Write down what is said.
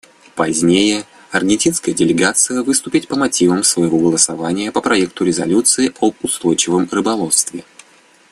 Позднее аргентинская делегация выступит по мотивам своего голосования по проекту резолюции об устойчивом рыболовстве.